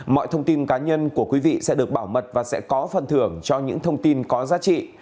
mọi thông tin cá nhân của quý vị sẽ được bảo mật và sẽ có phần thưởng cho những thông tin có giá trị